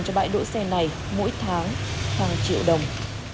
cho bãi đỗ xe này mỗi tháng hàng triệu đồng